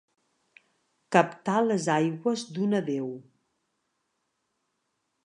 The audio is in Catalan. Captar les aigües d'una deu.